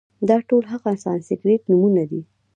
دا ټول هغه سانسکریت نومونه دي،